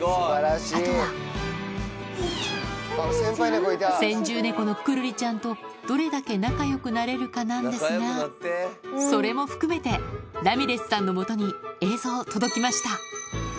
あとは先住猫のくるりちゃんとどれだけ仲良くなれるかなんですがそれも含めてラミレスさんのもとに映像届きました